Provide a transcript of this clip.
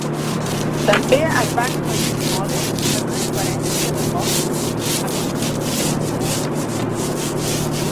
També es van afegir modes de transferència de blocs a Q-bus.